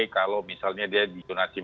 kalau misalnya dia jonasinya